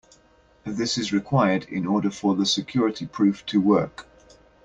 This is required in order for the security proof to work.